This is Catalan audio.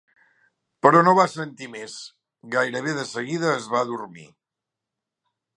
Però no va sentir més, gairebé de seguida es va adormir.